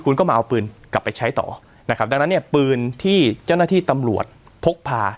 คุณก็มาเอาปืนกลับไปใช้ต่อนะครับดังนั้นเนี่ยปืนที่เจ้าหน้าที่ตำรวจพกพา